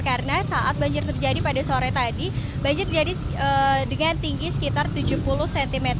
karena saat banjir terjadi pada sore tadi banjir terjadi dengan tinggi sekitar tujuh puluh cm